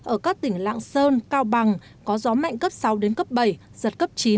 ở các tỉnh lạng sơn cao bằng có gió mạnh cấp sáu bảy giật cấp chín